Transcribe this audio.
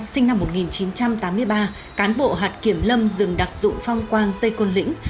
sinh năm một nghìn chín trăm tám mươi ba cán bộ hạt kiểm lâm rừng đặc dụng phong quang tây côn lĩnh